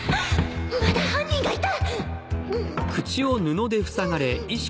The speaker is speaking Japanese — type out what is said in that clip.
まだ犯人がいた！